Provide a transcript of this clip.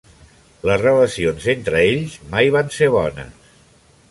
Les relacions entre ells mai van ser bones.